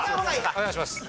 お願いします。